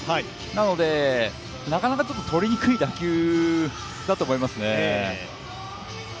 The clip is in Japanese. なので、なかなか取りにくい打球だと思いますね。